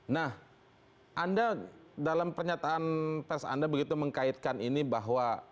nah anda dalam pernyataan pers anda begitu mengkaitkan ini bahwa